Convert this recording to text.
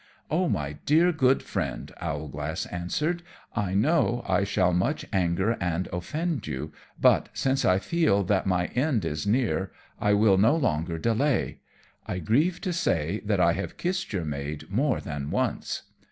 "Oh, my dear, good Friend," Owlglass answered, "I know I shall much anger and offend you; but since I feel that my end is near I will no longer delay. I grieve to say that I have kissed your maid more than once."